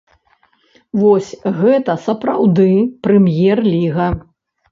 Вось гэта сапраўды прэм'ер-ліга!